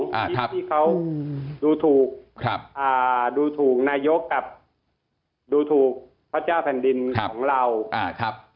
ที่เขาดูถูกดูถูกนายกกับดูถูกพระเจ้าแผ่นดินของเราครับ